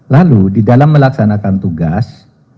lalu di dalam melaksanakan tugas